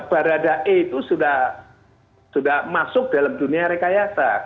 barada e itu sudah masuk dalam dunia rekayasa